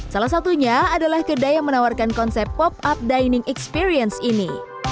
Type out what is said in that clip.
salah satunya adalah kedai yang menawarkan konsep pop up dining experience ini